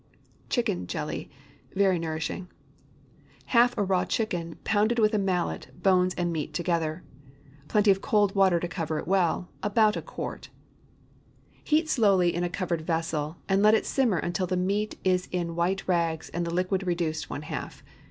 CHICKEN JELLY. (Very nourishing.) ✠ Half a raw chicken, pounded with a mallet, bones and meat together. Plenty of cold water to cover it well—about a quart. Heat slowly in a covered vessel, and let it simmer until the meat is in white rags and the liquid reduced one half.